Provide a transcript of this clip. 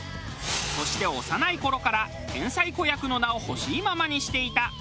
そして幼い頃から天才子役の名をほしいままにしていた姫川亜弓。